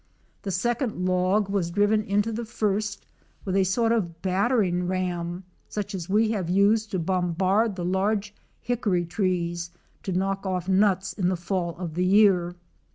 The second log was driven into the first with a sort of battering ram such as we have used to bombard the large hickory trees to knock off nuts in the fall of the year.